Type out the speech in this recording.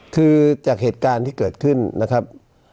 คือจากเหตุการณ์ที่เกิดขึ้นนะครับ